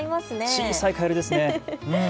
小さいカエルですね。